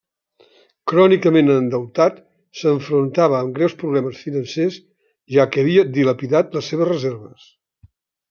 Crònicament endeutat, s'enfrontava amb greus problemes financers, ja que havia dilapidat les seves reserves.